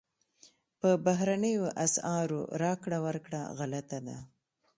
په بهرنیو اسعارو راکړه ورکړه غلطه ده.